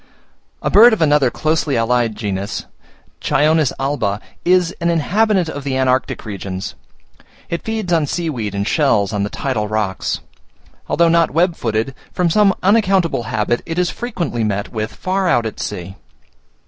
A bird of another closely allied genus, Chionis alba, is an inhabitant of the antarctic regions; it feeds on sea weed and shells on the tidal rocks. Although not web footed, from some unaccountable habit, it is frequently met with far out at sea.